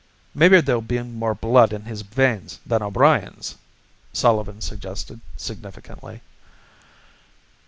"Maybe there'll be more blood in his veins than O'Brien's," Sullivan suggested significantly.